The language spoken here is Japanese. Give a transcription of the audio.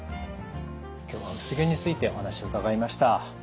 今日は薄毛についてお話を伺いました。